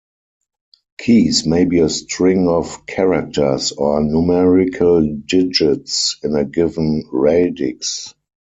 Keys may be a string of characters, or numerical digits in a given 'radix'.